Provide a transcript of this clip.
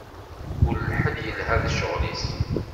Kul ḥedd yelha d cceɣl-is.